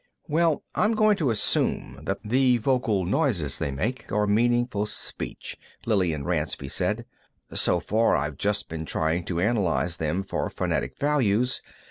"Well, I'm going to assume that the vocal noises they make are meaningful speech," Lillian Ransby said. "So far, I've just been trying to analyze them for phonetic values.